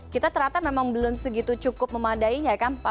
kita ternyata memang belum segitu cukup memadainya kan pak